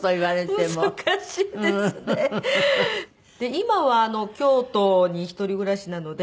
今は京都に一人暮らしなので。